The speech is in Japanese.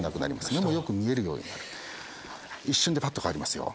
目もよく見えるようになる一瞬でパッと変わりますよ。